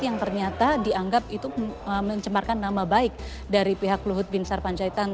yang ternyata dianggap itu mencemarkan nama baik dari pihak luhut bin sarpanjaitan